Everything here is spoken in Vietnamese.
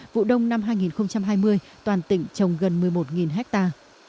vụ đông năm hai nghìn hai mươi toàn tỉnh trồng gần một mươi một hectare